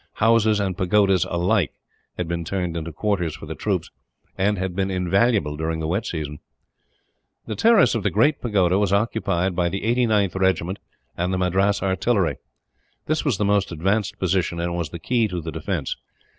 Houses and pagodas alike had been turned into quarters for the troops, and had been invaluable during the wet season. The terrace of the great pagoda was occupied by the 89th Regiment and the Madras Artillery. This was the most advanced position, and was the key of the defence.